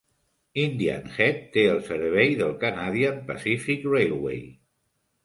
Indian Head té el servei del Canadian Pacific Railway.